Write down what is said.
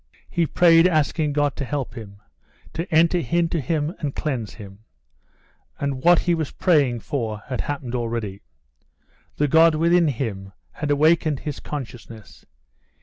He prayed, asking God to help him, to enter into him and cleanse him; and what he was praying for had happened already: the God within him had awakened his consciousness.